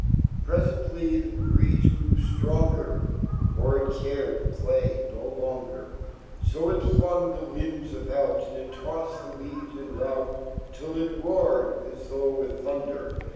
Presently fhe breeze grew For it cared to play n longer. So it flung the limb* about, Andittoffed deleaves in rout, Till it ro a red, a Sfrvugh with thunder.